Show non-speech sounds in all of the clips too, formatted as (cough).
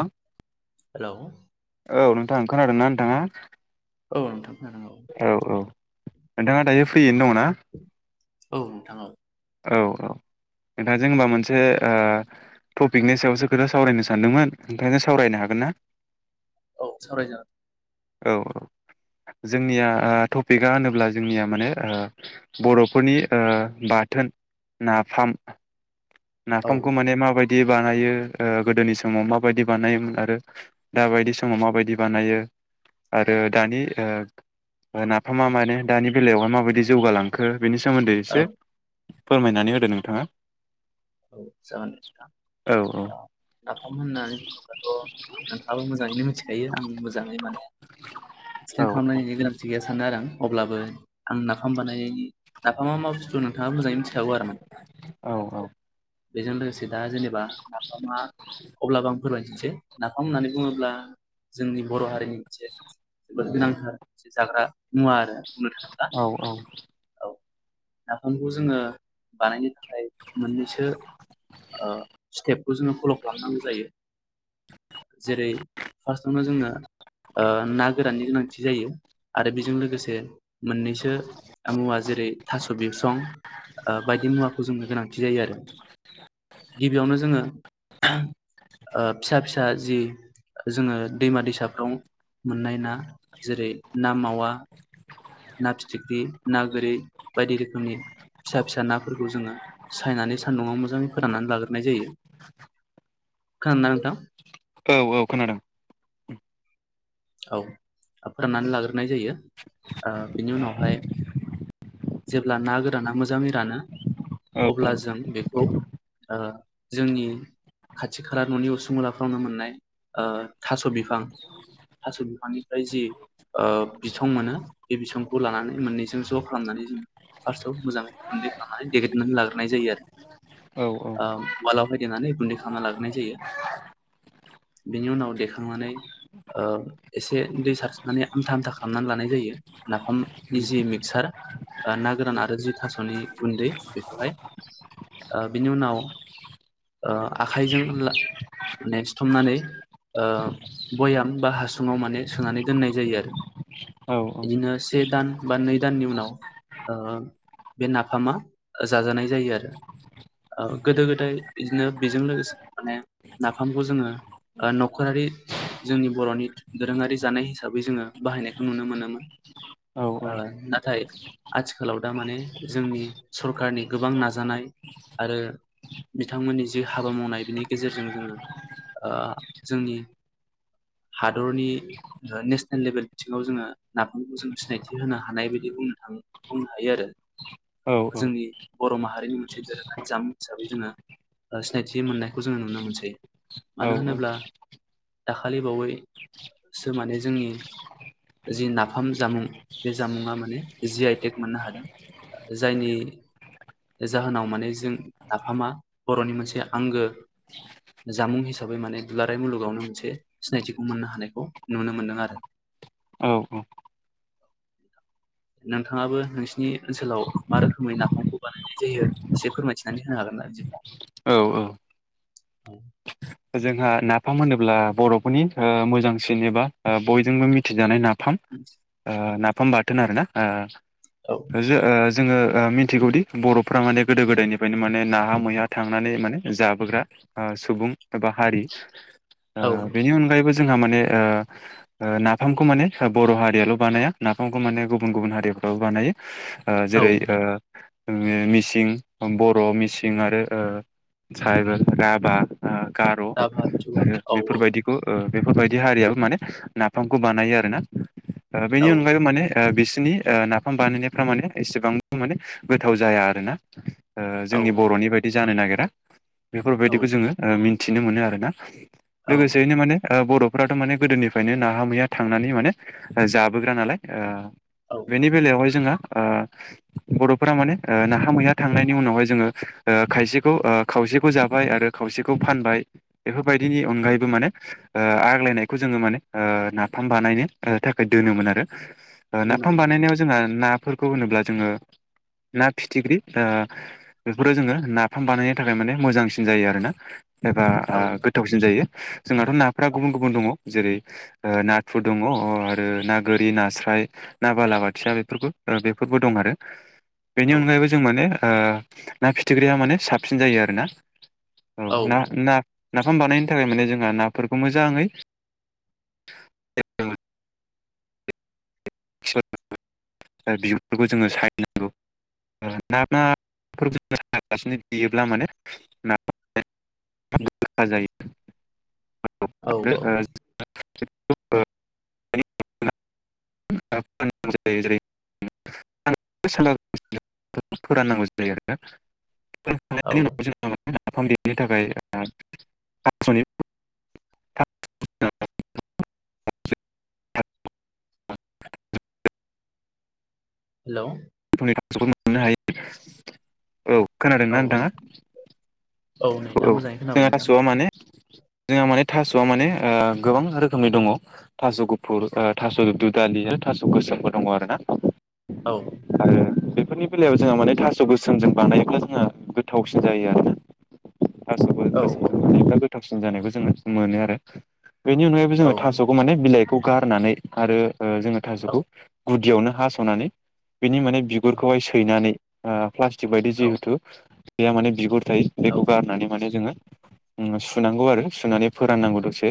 आं हेल' औ नोंथां खोनादों ना नोंथाङा? औ नोंथां औ औ नोंथाङा दायो फ्रियैनो दङ ना? औ नोंथां औ औ-औ नोंथां जों होनबा मोनसे ओ टपिकनि सायावसो खोथा सावरायनो सानदोंमोन ओंखायनो सावरायनो हागोन ना? औ सावरायजागोन। औ-औ। जोंनिया टपिकआ होनोब्ला जोंनिया माने बर'फोरनि ओ बार थोन नाफाम औ नाफामखौ माने माबादि दि बानायो गोदोनि समाव माबायदि बानायोमोन आरो दााबायदि समाव माबायदि बानायो। आरो दानि नाफामा माने दानि बेलायावहाय माबायदि जौगालांखो। बेनि सोमोन्दै औ एसे फोरमायनानै होदो नोंथाङा। औ जागोन नोंथां। औ औ नाफाम होननानै बुङोब्लाथ' नोंथाङाबो मोजाङैनो मिथि खायो आं मोजांहै माने औ थिखां खालामनायनि गोनांथि गैया सानो आरो आं अब्ला बो आं नाफाम बानायनि नाफा मा बुस्थु नोंथाङा मोजाङै मिथिखागौ आरो माने। बेजों लोगोसे दा जेनेबा नाफामा अब्लाबो आं फोरमायनसै नाफाम होननानै बुङोब्ला जोंनि बर' हारिनि मोनसे जोबोद गोनांथार एसे जाग्रा मुवा आरो। बुंनो थाङोब्ला औ-औ। औ नाफामखौ जोङो बानायनो थाखाय मोननैसो स्टेपखौ जोङो फल' खालामनांगौ जायो। जेरै फार्स्टआवनो जोङो ओ ना गोराननि गोनांथि जायो। आरो बेजों लोगोसे मोननैसो मुवा जेरै थास' बिसं ओ बायदि मुवाखौ जोंनो गोनां थि जायो आरो गिबियावनो जोङो ओ फिसा जि जोङो दैमा दैसाफ्राव मोननाय ना जेरै ना मावा ना फिथिख्रि ना गोरि बायदि रोखोमनि फिसा फिसा नाफोरखौ जोङो सायनानै सान्दुङाव मोजाङै फोराननानै लाग्रोनाय जायो। खोनादोंना नोंथां? औ-औ खोनादों। औ फोराननानै लाग्रोनाय जायो बिनि उनावहाय जेब्ला ना गोराना मोजाङै रानो औ अब्ला जों बेखौ ओ जोंनि खाथि खाला न'नि उसुंलाफ्रावनो मोननाय ओ थास' बिफां थास' बिफांनिफ्राय जि ओ बिसं मोनो बे बिसंखौ लानानै मोननैजों ज' खालामनानै जों फार्स्टआव मोजाङै गुन्दै खालामनानै दैेगलिनानै लाग्रोनाय जायो आरो औ अ वालाव फाय देनानै गुन्दै खालामना लाग्रोनाय जायो बेनि उनाव देखांनानै अ एसे दै सारसनानै आमथा आमथा खालामनानै लानाय जायो नाफामनि जि मिक्सार ना गोरान आरो जि थास'नि गन्दै बेखौहाय बिनि उनाव आखाइजों ला नेक्स्ट हमनानै ओ भयाम बा हास सुङाव माने सोनानै दोननाय जायो आरो औ बिदिनो से दान बा नै दाननि उनाव अ बे नाफामा जाजानाय जायो आरो अ गोदो गोदाय बिदिनो बेजों लोगोसे माने नाफामखौ जोङो अ न'खरारि जोंनि बर'नि दोरोङारि जानाय हिसाबै जोङो बाहायनायखौ नुनो मोनोमोन औ ओ औ नाथाय आथिखालाव दा माने जोंनि सरखारारनि गोबां नाजानाय आरो बिथांमोननि जि हाबा मावनाय बिनि गेजेरजों जोङो अ जोंनि हात हादरनि नेसनेल लेबेल बिथिङाव जोङो नाफामखौ जोङो सिनायथि होनो हानाय बायदि बुंनो थाङो बुंनो हायो आरो औ औ जोंनि बर' माहारिनि मोनसे दोरोङारि जामुं हिसाबै जोङो अ सिनायथि मोननायखौ जोङो नुनो मोनसै मानो औ औ होनोब्ला दाखालि बावै सो माने जोंनि जि नाफाम जामुं बे जामुङा माने जि आइ टेक मोननो हादों जायनि जाहोनाव माने जों नाफामा बर'नि मोनसे आंगो जामुं हिसाबै माने दुलाराय मुलुगावनो मोनसे सिनायथि मोननो हानायखौ नुनो मोनदों आरो (unintelligible) नोंथाङाबो नोंसिनि ओनसोलाव मा रोखोमै नाफामखौ बानायनाय जायो एसे फोरमायथिनानै होनो हागोन ना बिदिब्ला औ औ औ जोंहा नाफाम होनोब्ला बर'फोरनि अ मोजांसिन एबा अ बयजोंबो मिथिजानाय नाफाम फाम अ नाफाम बाथोन‌‌ आरोंना अ जो अ जोङो अ मिथिगौदि बर'फोरा माने गोदो गोदायनिफ्रायनो माने नाहा मैहा थांनानै माने जाबोग्रा अ सुबुं एबा हारि अ औ बेनि अनगायैबो जोंहा माने अ अ नाफामखौ माने बर' हारियाल' बानाया नाफामखौ माने गुबुन गुबुन हारि औ (inaudible) जोङो मिसिं बर' मिसिं आरो अ त्राइबेल राभा आ गार' आरो दाबा जुवा औ बेफोरबायदिखौ अ बेफोरबायदि हारियाबो माने नाफामखौ बानायो आरो ना बेनि औ अनगायैबो माने बि बिसिनि अ नाफाम बानायनायफ्रा माने एसेबां माने गोथाव जाया आरोना अ औ जोंनि बर'नि बायदि जानो नागिरा बेफोरबायदिखौ जोङो मिथिनो मोनो आरोना औ लोगोसेयैनो माने अ बरफ फोराथ' माने गोदोनिफ्रायनो नाहा मैया थांनानै माने जाबोग्रा नालाय आ औ बेनि बेलायावहाय जोंहा अ बर'फोरा माने अ नाहा मैया थांनायनि उनावहाय जोङो अ खायसेखौ अ खावसेखौ जाबाय आरो खावसेखौ फानबाय बेफोरबायदिनि अनगायैबो माने अ आग्लायनायखौ जोङो माने अ नाफाम बानायनो थाखाय दोनोमोन आरो अ गोनां नाफाम बानायनायाव जोंहा नाफोरखौ होनोब्ला जोङो ना फिथिख्रि अ बेफोराव जोङो नाफाम बानायनो थाखाय माने मोजांसिन जायो आरो ना एबा औ गोथावसिन जायो जोंनाथ' नाफ्रा गुबुन-गुबुन दङ जेरै नाथुर दङ अ आरो ना गोरि नास्राय ना बालाबाथिया बेफोरबो बेफोरबो दं आरो बेनि औ अनगायैबो जों माने ओ ना फिथिख्रिया माने साबसिन जायो आरोना औ औ ना ना नाफाम बानायनो थाखाय माने जोंहा नाफोरखौ मोजाङै बिफोरखौ बिफोरखौबो जोङो सायनांगौ औ (unintelligible) (unintelligible) (unintelligible) (unintelligible) (unintelligible) (unintelligible) (unintelligible) (unintelligible) हेल' (unintelligible) औ औ खोनादोंना नोंथाङा नै औ दा मोजाङै खोनाबाय जोंहा नोंथां थास'आ माने जोंहा माने थास'आ माने ओ गोबां रोखोमनि दङ थास' गुफुर थास' दुदालि थास' गोसोमफोर दङ आरो ना औ आरो‌ बेफोरनि बेलायाव जोंहा माने थास' गोसोमजों बानायोब्ला जोंहा गोथावसिन जायो आरोना थास'बो औ गोसो एबा गोथावसिन जानायखौ जोङो मोनो आरो बेनि अनगायैबो औ जोङो थास'खौ माने बिलाइखौ गारनानै आरो ओ जोङो औ थास'खौ गुदियावनो हास'नानै बिनि माने औ बिगुरखौहाय सैनानै ओ प्लाटिक बायदि औ जिहेथु बेहा माने बिगुर थायो औ बेखौ गारनानै माने जोङो सुनांगौ आरो सुनानै फोराननांगौ द'से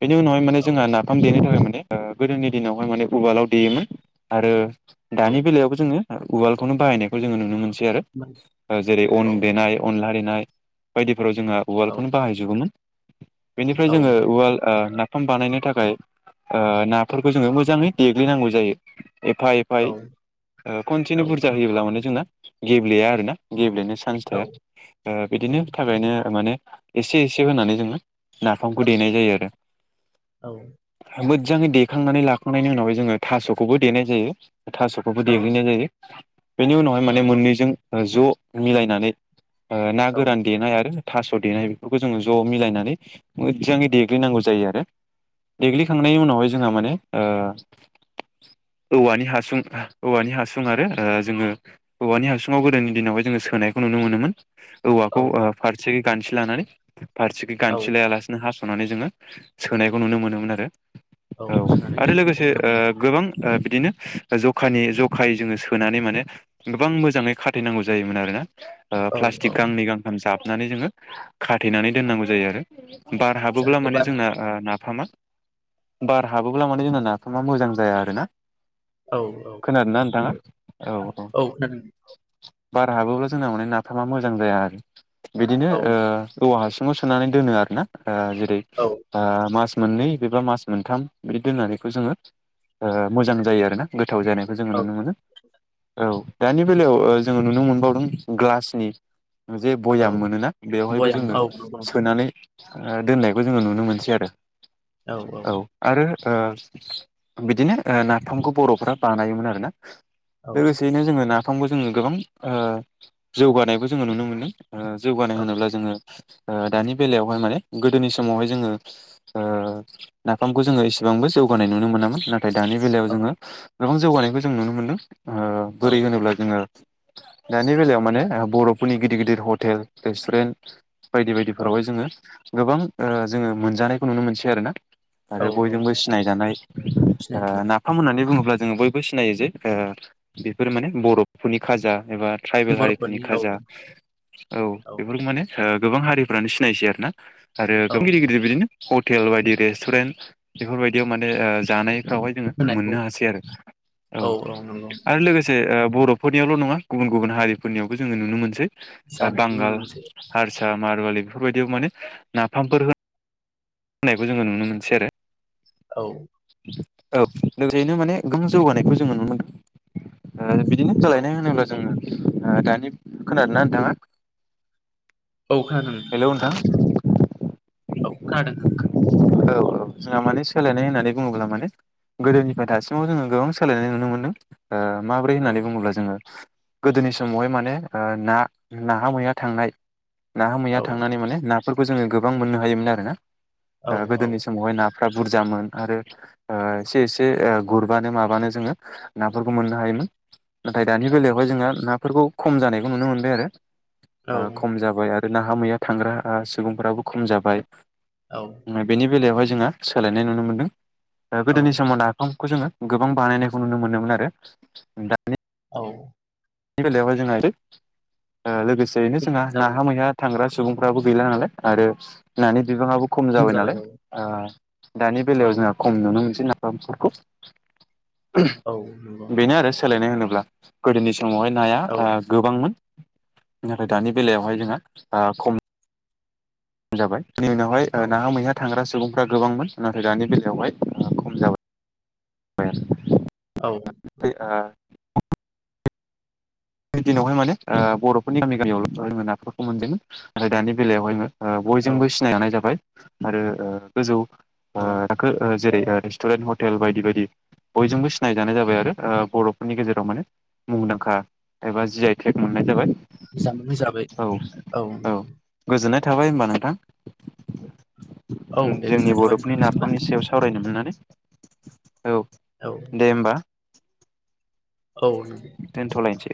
बेनि उनावहाय माने जोंहा नाफाम देनो थाखाय गोदोनि दिनावहाय माने उवालाव देयोमोन आरो औ दानि जोङो उवालखौनो बायनाय नुनो मोनसै आरो जेरै अन देनाय अन नाय बायदिफोराव जोंहा उवाखौनो बाहायजोबोमोन बेनिफ्राय जोङो उवाल ओ नाफाम बानायनो थाखाय नाफोरखौ जोङो मोजाङै देग्लिनांगौ जायो एफा-एफा खनसेनो औ बुरजा होयोब्ला माने जोंना गेब्लेया आरोना गेब्ले चान्स औ थाया औ बिदिनि थाखायनो माने एसे-एसे होनानै जोङो नाफामखौ देनाय जायो आरो औ मोजाङै देखांनानै लाखांनायनि उनावाय जोङो थास'खौबो देनाय जायो थास' बो औ देग्लिनाय जायो बेनि उनावहाय माने मोननैजों ज' मिलायनानै ओ ना गोरान देनाय आरो थास' देनाय बेफोरखौ जोङो ज' मिलायनानै मोजाङै देग्लिनांगौ जायो आरो देग्लिखांनायनि उनावहाय जोंहा माने ओ औवानि हासुं औवानि हासुं आरो जोङो औवानि हासुङाव गोदोनि दिनावहाय जोङो सोनायखौ नुनो मोनोमोन औ औवाखौ ओ फारसे गान्थि लानानै फारसे औ गान्थि लाया लासिनो हास'नानै संनानै जोङो सोनायखौ नुनो मोनोमोन आरो औ सोनानै आरो दोनथ'नायखौ लोगोसे नुनो मोनो गोबां बिदिनो जखानि जखायै जोङो सोनानै माने गोबां मोजाङै खाथनांगौ जायोमोन आरोना औ औ प्लास्टिक गांनै गांथाम जाबनानै जोङो खाथेनानै दोननांगौ जायो आरो बार हाबोब्ला जाहाथे माने बार जोंना नाफामा बार हाबोब्ला माने जोंना नाफामा मोजां जाया आरोना औ औ खोनादों ना नोंथाङा नंगौ औ -औ बार हाबोब्ला जोंना माने नाफामा मोजां जाया आरो बिदिनो औवा हसुं आव होनानै दोनो आरो ना जेरै औ मोननै बा मास मोनथाम बिदि दोननानै बेखौ जोङो मोजां जायो आरोना गोथाव जानाय जोङो औ नुनो मोनो औ दानि बेलायाव जोङो नुनो मोनबावदों ग्लासनि जे औ भयाम मोनोना बेवहायबो बयाम जोङो औ नंगौ सोनानै नोंथां दोननायखौ जोङो नुनो मोनसै आरो औ आरो बिदिनो नाथामखौ बर'फोरा बानायोमोन आरोना औ लोगोसेयैनो जोङो नाफामबो जोङो गोबां जौगानायबो जोङो नुनो मोनदों औ (unintelligible) ओ दानि बेलायावहाय माने गोदोनि समावहाय जोङो ओ नाफामखौ जोङो एसेबां गोबांबो जौगानाय नुनो मोनामोन दानि बेलायाव औ जोङो गोबां जौगानायखौ जों नुनो मोनदों ओ औ बोरै होनोब्ला जोङो दानि बेलायाव माने बर'फोरनि गिदिर गिदिर हटेल रेस्टुरेन्ट बायदि औ बायदिफोरावहाय जोङो गोबां ओ जोङो मोनजानायखौ नुनो मोनसै आरोना औ आरो औ बयजोंबो सिनायजानाय ओ सिनायगोन नाफाम होननानै बुङोब्ला जोङो बयबो सिनायो जे ओ बेफोर माने बर'फोरनि खाजा एबा ट्राइबेल हारिफोरनि बर'फोरनि औ खाजा औ औ बेफोरखौ माने गोबां हारिफ्रानो सिनायसै आरो ना आरो औ गोब गिदिर गिदिर बिदिनो हटेल बायदि रेस्टुरेन्ट बेफोरबायदियाव माने ओ जानायफ्रावहाय जोङो होनायखौ मोननो हासै आरो औ आरो लोगोसे ओ बर'फोरनियावल' नङा गुबुन गुबुन हारिफोरनियावबो जोङो नुनो मोनसै ओ जानायखौ नुनो बांगाल मोनसै हारसा मारवालि बेफोरबायदियाव माने नाफामफोर होन होननायखौ जोङो नुनो मोनसै आरो औ औ (unintelligible) नो माने गोबां जौगानायखौ जोङो नुनो मोन ओ बिदिनो औ सोलायनाय औ खोनादों हेलौ नोंथां नोंथां औ खोनादों (inaudible) गोदोनिफ्राय दासिमाव जोङो गोबां सोलायनाय नुनो मोनदों माब्रै नोंथां होननानै बुङोब्ला जोङो गोदोनि समावहाय माने ओ ना नाहा मैया थांनाय नाहा मैया औ थांनानै माने नाफोरखौ जोङो गोबां मोननो हायोमोन आरो ना औ ओ गोदोनि समावहाय ना फ्रा बुरजामोन आरो ओ एसे एसे ओ गुरबानो माबानो जोङो नाफोरखौ मोननो हायो (inaudible) नाथाय दानि बेलायावहाय जोंहा नाफोरखौ खम जानायखौ नुनो मोनबाय आरो ओ औ खम जाबाय आ नाहा मैया थांग्रा आ सुबुंफोराबो खम जाबाय औ बेनि बेलायावहाय जोंहा सोलायनाय नुनो मोनदों औ गोदोनि समाव नाफाम खौ जोङो गोबां बानायनायखौ नुनो मोन आरो दानि औ (unintelligible) बेलायावहाय जोंहा ओ लोगोसेयैनो खम जोंहा जाबोनाय नाहा मैया थांग्रा सुबुंफ्राबो गैला नालाय आरो खम जाबाय नानि औ दानि औ बेलायाव जोंहा खम नुनो मोनसै ना (unintelligible) फोरखौ औ नंगौ सोलायनाय होनोब्ला गोदोनि समावहाय नाया औ ओ गोबांमोन नाथाय दानि बेलायावहाय जोंहा ओ खम जाबाय बिनि उनावहाय ओ औ नाहा मैहा थांग्रास सुबुंफ्रा गोबांमोन नाथाय दानि बेलायावहाय खम जाबाय बाय आरो औ दिनावहाय माने ओ बर'फोरनि गामि गामियावल' नाफोरखौ मोनदोंमोन आरो दानि बेलायावहाय ओ औ बयजोंबो सिनायनाय जाबाय आरो ओ गोजौ ओ औ थाखो ओ जेरै ओ रेस्टुरेन्ट हटेल बायदि बायदि बयजोंबो सिनायजानाय जाबाय आरो ओ बर'फोरनि गेजेराव माने मुंदांखा एबा जि आइ टेक मोननाय जाबाय जामुं हिसाबै औ औ औ गो नंगौ गोजोननाय थाबाय होनोमबा औ नोंथां दे जोंनि गोजोननाय थाबाय बर'फोरनि नोंथांनिसिमबो नाफामनि सायाव सावरायनो मोननानै औ औ दे होमबा। औ नंगौ दनोथलायनोसै।